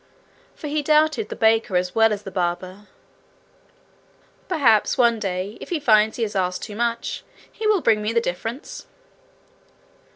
For he doubted the baker as well as the barber. 'Perhaps one day, if he finds he has asked too much, he will bring me the difference.'